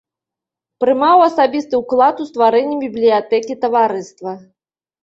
Прымаў асабісты ўклад у стварэнні бібліятэкі таварыства.